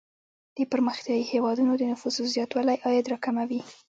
د پرمختیايي هیوادونو د نفوسو زیاتوالی عاید را کموي.